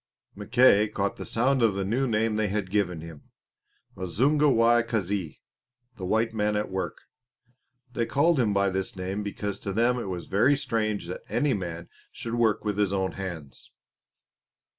Mackay caught the sound of the new name that they had given him Mazunga wa Kazi the White Man at Work. They called him by this name because to them it was very strange that any man should work with his own hands.